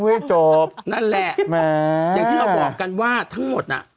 อย่างที่เราบอกกันว่าทั้งหมดอ่ะ